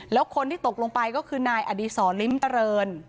แล้วคนที่ตกลงไปก็คือนายอดีศรลิ้มเจริญ